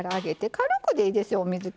軽くでいいですよ、水け。